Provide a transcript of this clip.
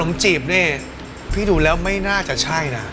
ผมจีบนี่พี่ดูแล้วไม่น่าจะใช่นะ